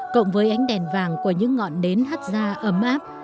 cộng với ánh đèn vàng của những ngọn nến hắt da ấm áp